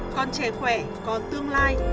con trẻ khỏe con tương lai